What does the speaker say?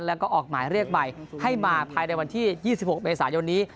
แล้วก็ออกหมายเรียกใหม่ให้มาภายในวันที่๒๖เมษายนนี้